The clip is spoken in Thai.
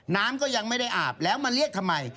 น้ำก็ยังไม่ได้อาบแล้วมาเรียกทำไม